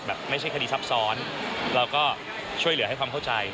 ไม่ใช่คดีซับซ้อนเราก็ช่วยเหลือให้ความเข้าใจ